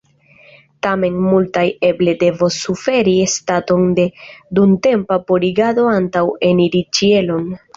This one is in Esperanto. Tamen, multaj eble devos suferi staton de dumtempa purigado antaŭ eniri ĉielon.